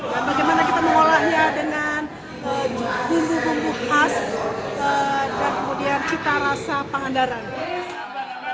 dan bagaimana kita mengolahnya dengan bumbu bumbu khas dan kemudian kita rasa pangandaran